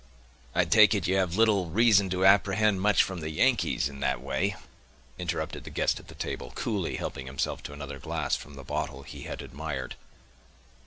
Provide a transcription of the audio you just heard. "I take it, you have little reason to apprehend much from the Yankees, in that way," interrupted the guest at the table, coolly helping himself to another glass, from the bottle he had admired.